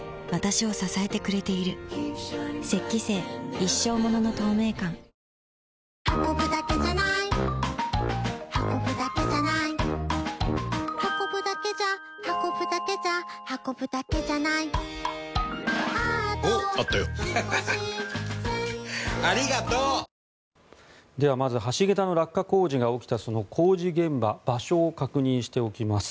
一生ものの透明感では、まず橋桁の落下が起きたその工事現場場所を確認しておきます。